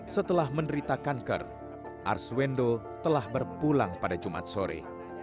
setelah menderita kanker arswendo telah berpulang pada jumat sore